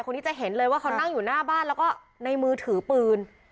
จะเห็นเลยว่าเขานั่งอยู่หน้าบ้านแล้วก็ในมือถือปืน